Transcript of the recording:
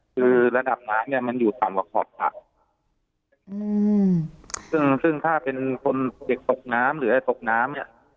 คือระดับน้ำเนี้ยมันอยู่ต่ำกว่าขอบสระอืมซึ่งซึ่งถ้าเป็นคนเด็กตกน้ำหรือไอ้ตกน้ำเนี่ย